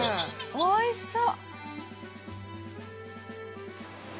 おいしそう！